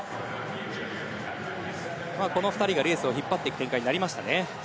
この２人がレースを引っ張っていく展開になりましたね。